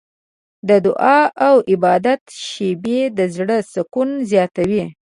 د دعا او عبادت شېبې د زړه سکون زیاتوي.